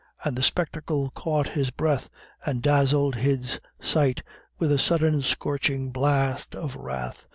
And the spectacle caught his breath, and dazzled his sight with a sudden scorching blast of wrath.